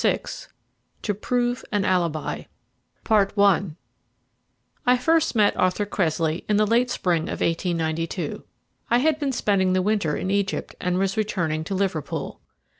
VI TO PROVE AN ALIBI I first met Arthur Cressley in the late spring of 1892. I had been spending the winter in Egypt, and was returning to Liverpool.